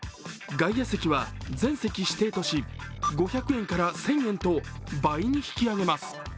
外野席は全席指定とし、５００円から１０００円と倍に引き上げます。